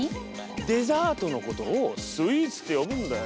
デザートのことをスイーツって呼ぶんだよ。